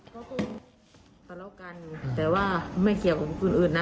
ก็คงทะเลาะกันแต่ว่าไม่เกี่ยวกับคนอื่นนะ